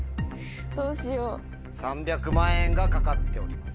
３００万円が懸かっております。